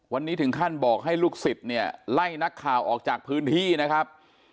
วันนี้ถึงขั้นบอกให้ลูกศิษย์เนี่ยไล่นักข่าวออกจากพื้นที่นะครับ